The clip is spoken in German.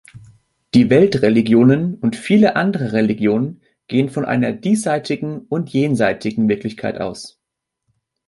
Die Weltreligionen und viele andere Religionen gehen von einer diesseitigen und jenseitigen Wirklichkeit aus.